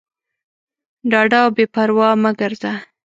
ډاډه او بېپروا مه ګرځه.